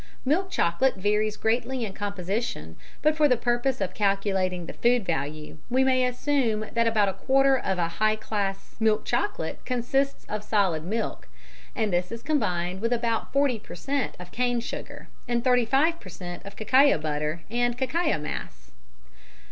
Milk chocolate varies greatly in composition, but for the purpose of calculating the food value, we may assume that about a quarter of a high class milk chocolate consists of solid milk, and this is combined with about 40 per cent. of cane sugar and 35 per cent. of cacao butter and cacao mass.